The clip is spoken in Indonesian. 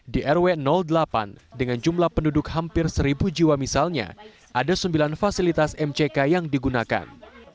di rw delapan dengan jumlah penduduk hampir seribu jiwa misalnya ada sembilan fasilitas mck yang digunakan